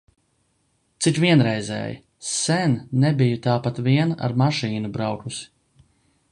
Cik vienreizēji! Sen nebiju tāpat vien ar mašīnu braukusi.